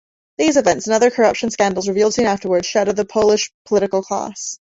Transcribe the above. These events, and other corruption scandals revealed soon afterward, shattered the Polish political class.